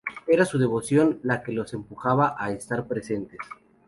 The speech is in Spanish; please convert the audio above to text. Era su devoción la que los empujaba a estar presentes.